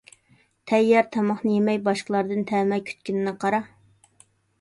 تەييار تاماقنى يېمەي، باشقىلاردىن تەمە كۈتكىنىنى قارا!